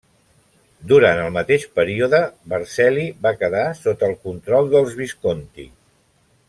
Durant el mateix període Vercelli va quedar sota el control dels Visconti.